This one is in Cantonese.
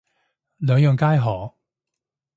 兩樣皆可